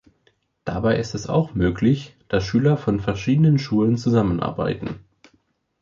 Dabei ist es auch möglich, dass Schüler von verschiedenen Schulen zusammenarbeiten.